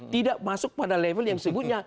tidak masuk pada level yang disebutnya